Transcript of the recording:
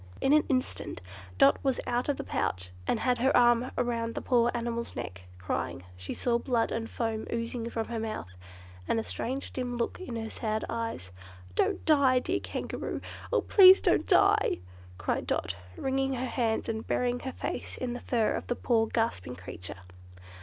In an instant Dot was out of the pouch and had her arm round the poor animal's neck, crying, as she saw blood and foam oozing from her mouth, and a strange dim look in her sad eyes. "Don't die, dear Kangaroo! Oh, please don't die!" cried Dot, wringing her hands, and burying her face in the fur of the poor gasping creature.